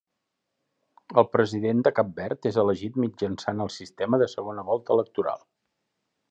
El President de Cap Verd és elegit mitjançant el sistema de segona volta electoral.